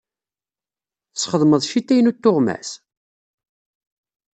Tesxedmeḍ ccita-inu n tuɣmas?